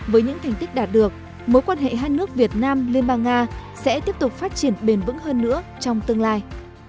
với những thành tích đạt được mối quan hệ hai nước việt nam liên bang nga sẽ tiếp tục phát triển bền vững hơn nữa trong tương lai